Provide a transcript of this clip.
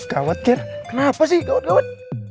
gawat ger kenapa sih gawat gawat